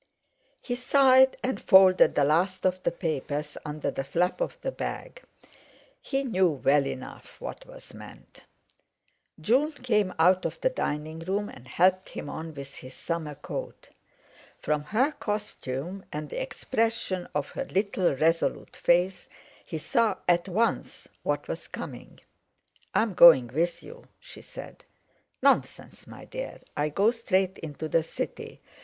He sighed, and folded the last of the papers under the flap of the bag; he knew well enough what was meant. June came out of the dining room, and helped him on with his summer coat. From her costume, and the expression of her little resolute face, he saw at once what was coming. "I'm going with you," she said. "Nonsense, my dear; I go straight into the City.